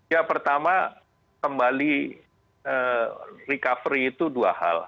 ya pertama kembali recovery itu dua hal